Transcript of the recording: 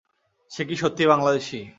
সে কি সত্যিই বাংলাদেশি?